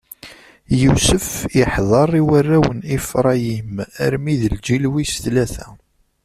Yusef iḥdeṛ i warraw n Ifṛayim, armi d lǧil wis tlata.